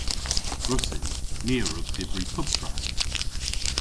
Gwrussyn. Ni a wrug dybri pubtra.